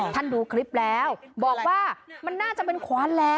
ท่านดูคลิปแล้วบอกว่ามันน่าจะเป็นควัน